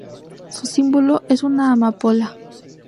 Su símbolo es una amapola.